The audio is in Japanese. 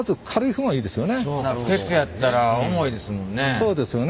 鉄やったら重いですもんね。